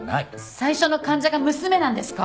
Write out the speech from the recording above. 最初の患者が娘なんですか？